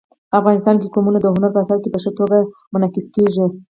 افغانستان کې قومونه د هنر په اثار کې په ښه توګه منعکس کېږي.